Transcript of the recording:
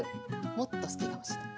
もっと好きかもしれない。